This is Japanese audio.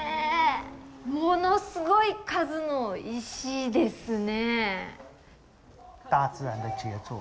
物すごい数の石ですね。